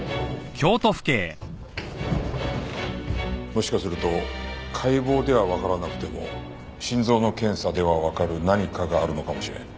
もしかすると解剖ではわからなくても心臓の検査ではわかる何かがあるのかもしれん。